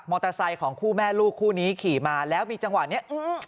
เตอร์ไซค์ของคู่แม่ลูกคู่นี้ขี่มาแล้วมีจังหวะเนี้ยอืม